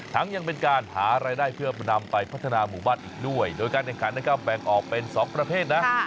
ยังเป็นการหารายได้เพื่อนำไปพัฒนาหมู่บ้านอีกด้วยโดยการแข่งขันนะครับแบ่งออกเป็น๒ประเภทนะ